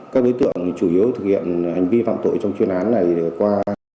các đối tượng chủ yếu thực hiện hành vi phạm tội trong chuyên án này qua